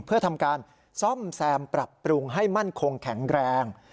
เพื่อทำการซ่อมแซมปรับปรุงให้มั่นคงแข็งแรง